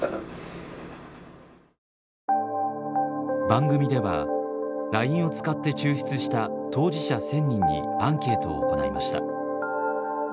番組ではＬＩＮＥを使って抽出した当事者１，０００人にアンケートを行いました。